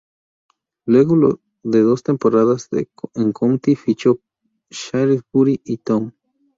Luego de dos temporadas en County, fichó por Shrewsbury Town.